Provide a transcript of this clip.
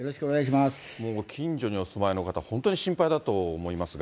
もう近所にお住まいの方、本当に心配だと思いますが。